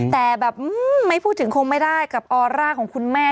แต่แบบไม่พูดถึงคงไม่ได้กับออร่าของคุณแม่